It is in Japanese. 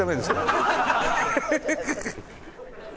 ハハハハ！